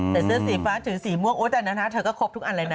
แต่เสื้อสีฟ้าถือสีม่วงโอ๊ตอันนั้นเธอก็ครบทุกอันเลยนะ